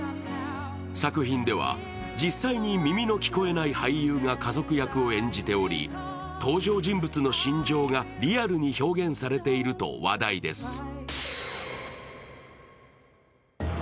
作品では実際に耳の聞こえない俳優が家族役を演じており登場人物の心情がリアルに表現されていると話題です。